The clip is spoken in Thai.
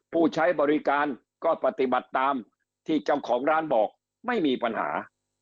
ผู้ใช้บริการก็ปฏิบัติตามที่เจ้าของร้านบอกไม่มีปัญหา